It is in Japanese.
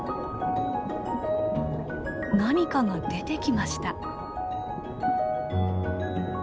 何かが出てきました。